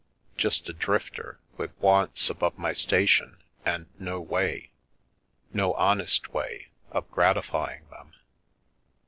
Just a drifter, with wants' above my station and no way — no honest way — of gratifying them."